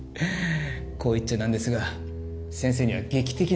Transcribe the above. こう言っちゃなんですが先生には劇的な過去があった。